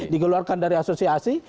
dikeluarkan dari asosiasi